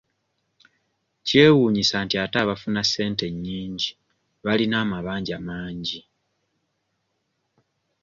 Kyewuunyisa nti ate abafuna ssente ennyingi balina amabanja mangi.